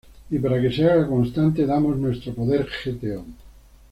Y para que se haga constante damos nuestro poder gto.